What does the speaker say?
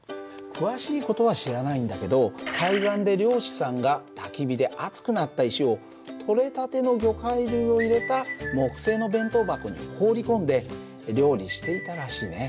詳しい事は知らないんだけど海岸で漁師さんがたき火で熱くなった石を取れたての魚介類を入れた木製の弁当箱に放り込んで料理していたらしいね。